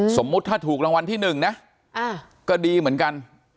สมมุติถ้าถูกรางวัลที่๑นะก็ดีเหมือนกัน